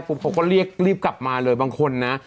เขาก็เรียกรีบกลับมาเลยบางคนนะ